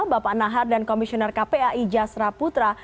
bapak nahar dan komisioner kpai jasra putra